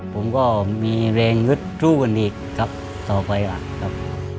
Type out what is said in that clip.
ผมก็มีแรงยึดสู้กันอีกครับต่อไปล่ะครับ